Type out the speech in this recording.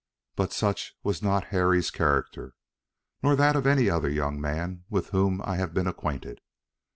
But such was not Harry's character, nor that of any of the young men with whom I have been acquainted.